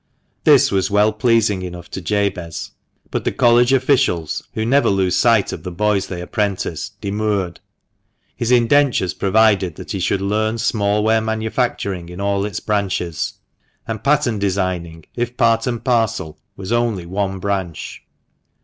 This was well pleasing enough to Jabez, but the College officials, who never lose sight of the boys they apprentice, demurred. His indentures provided that he should learn small ware manufacturing in all its branches ; and pattern designing, if part and parcel, was only one branch.